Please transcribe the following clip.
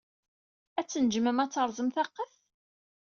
Ad tnejjmem ad treẓmem taqqet.